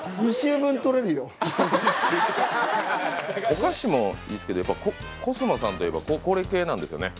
お菓子もいいですけどやっぱコスモさんといえばこれ系なんですよね。